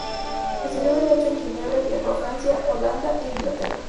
Estudió derecho en Ginebra y viajó a Francia, Holanda e Inglaterra.